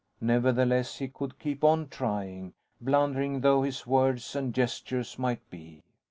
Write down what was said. Nevertheless he could keep on trying blundering though his words and gestures might be.